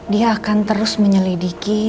dia akan terus menyelidiki